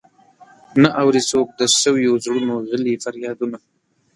نه اوري څوک د سويو زړونو غلي فريادونه.